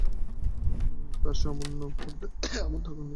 তার সামনে পর্দা করার দরকার নাই।